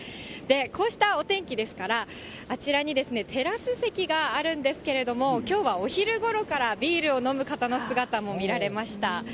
こうしたお天気ですから、あちらにテラス席があるんですけれども、きょうはお昼ごろからビールを飲む方の姿も見られました。